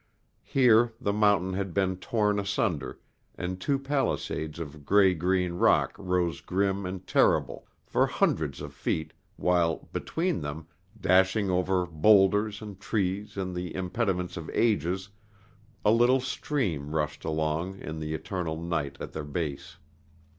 Here the mountain had been torn asunder, and two palisades of gray green rock rose grim and terrible for hundreds of feet, while between them, dashing over boulders and trees and the impedimenta of ages, a little stream rushed along in the eternal night at their base.